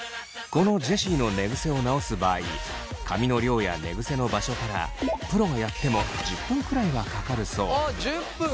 このジェシーの寝ぐせを直す場合髪の量や寝ぐせの場所からプロがやっても１０分くらいはかかるそう。